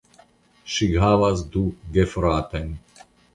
Ŝi havas du gefratojn.